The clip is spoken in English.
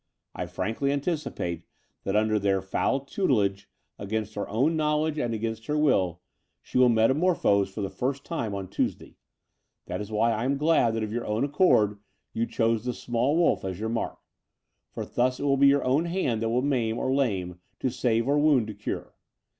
I frankly anticipate that under their foul tutelage, against her own knowledge and 266 The Door of die Unreal against her will, she will metamorphose for the first time on Tuesday. That is why I am glad that of your own accx>rd you chose the small wolf as your mark: for thus it will be your own hand that will maim or lame to save or wotmd to cure.